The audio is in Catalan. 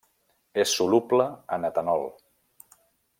És soluble en etanol.